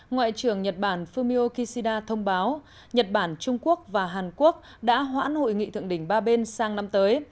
ngoại trưởng nhật bản fumio kishida thông báo nhật bản trung quốc và hàn quốc đã hoãn hội nghị thượng đỉnh ba bên sang năm tới